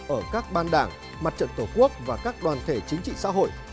ở các ban đảng mặt trận tổ quốc và các đoàn thể chính trị xã hội